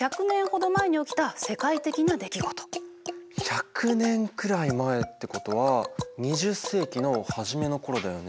１００年くらい前ってことは２０世紀の初めの頃だよね。